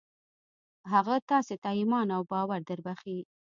هغه تاسې ته ايمان او باور دربښي.